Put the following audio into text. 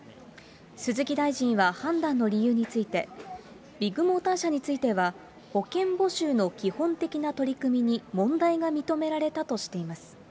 鈴木大臣は判断の理由について、ビッグモーター社については、保険募集の基本的な取り組みに問題が認められたとしています。